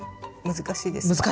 難しいです。